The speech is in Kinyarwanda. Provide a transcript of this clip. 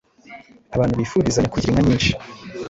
Abantu bifurizanya kugira inka nyinshi,